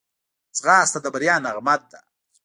ځغاسته د بریا نغمه ده